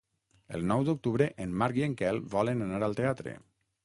El nou d'octubre en Marc i en Quel volen anar al teatre.